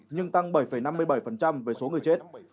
nhưng tăng bảy năm mươi bảy về số người chết